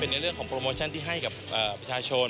ในเรื่องของโปรโมชั่นที่ให้กับประชาชน